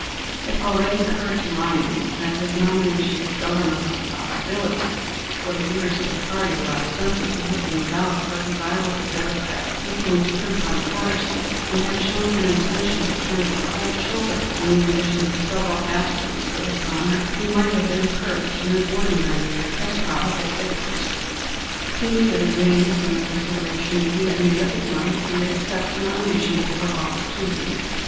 It had already occurred to Lyons that his nomination as Governor was a possibility, for the leaders of the party were ostensibly looking about for a desirable Democrat with whom to confront Patterson, and had shown an intention to turn a cold shoulder on the ambition of several aspirants for this honor who might have been encouraged in an ordinary year as probable victors. He knew that his name was under consideration, and he had made up his mind that he would accept the nomination if it were offered to him.